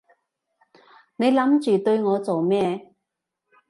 你諗住對我做咩？